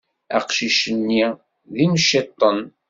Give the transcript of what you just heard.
Aqcic-nni d imciṭṭen.